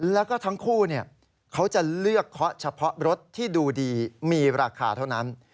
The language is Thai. แล้วก็ทั้งคู่เขาจะเลือกเคาะเฉพาะรถที่ดูดีมีราคาเท่านั้น